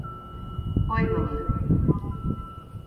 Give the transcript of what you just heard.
Ôigale